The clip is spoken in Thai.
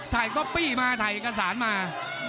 ถ่ายก๊อปปี้มาถ่ายอาสาหรณ์มา